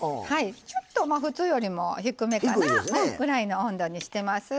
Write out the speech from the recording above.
ちょっとまあ普通よりも低めかなぐらいの温度にしてます。